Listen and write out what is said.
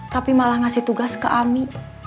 tapi malah ngasih tugas ke ami